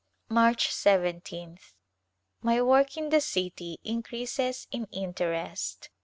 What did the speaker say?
March lyth. My work in the city increases in interest.